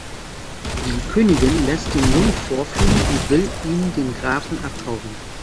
Die Königin lässt den Jungen vorführen und will ihn dem Grafen abkaufen.